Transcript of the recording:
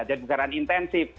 jadi berjalan intensif